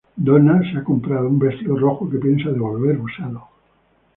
Donna se ha comprado un vestido rojo que piensa devolver usado.